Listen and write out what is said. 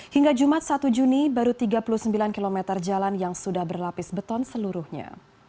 hingga jumat satu juni baru tiga puluh sembilan km jalan yang sudah berlapis beton seluruhnya